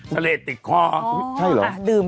เศรษฐ์ติดคอ